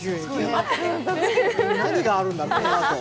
何があるんだろう、このあと。